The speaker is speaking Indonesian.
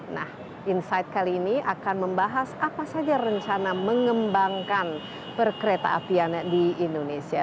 nah insight kali ini akan membahas apa saja rencana mengembangkan perkereta apian di indonesia